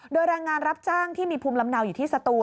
โดยแรงงานรับจ้างที่มีภูมิลำเนาอยู่ที่สตูน